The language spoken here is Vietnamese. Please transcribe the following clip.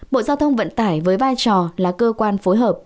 bộ giao thông vận tải với vai trò là cơ quan phối hợp